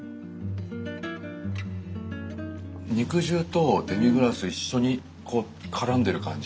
肉汁とデミグラス一緒にからんでる感じ。